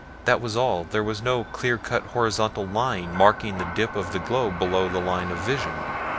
That was all there was no clear cut horizontal line marking the dip of the globe below the line of vision.